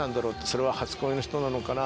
それは初恋の人なのかな